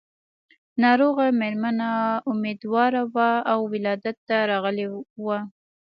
ناروغه مېرمنه اميدواره وه او ولادت ته راغلې وه.